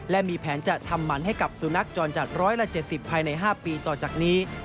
และมีแผนจะทำพันธุ์ให้กับสูณักจรจร้อยละ๗๐ภายใน๕ปีต่อจากนี้